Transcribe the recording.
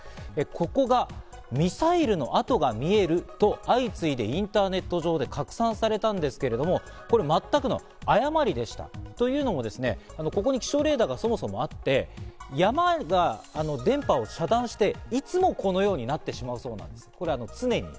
ここがミサイルの跡が見えると相次いでインターネット上で拡散されたんですけれども、これ全くの誤りでしたというのも、ここに気象レーダーがそもそもあって、山が電波を遮断して、いつもこのようになってしまうそうなんです、常に。